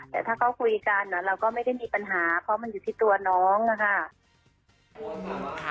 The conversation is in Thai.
แต่ถ้าเขาคุยกันเราก็ไม่ได้มีปัญหาเพราะมันอยู่ที่ตัวน้องนะคะ